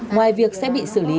ngoài việc sẽ bị xử lý